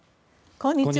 こんにちは。